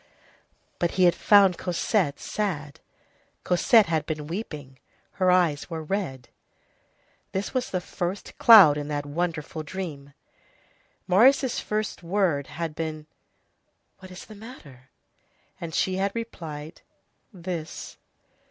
But he had found Cosette sad; Cosette had been weeping. Her eyes were red. This was the first cloud in that wonderful dream. Marius' first word had been: "What is the matter?" And she had replied: "This."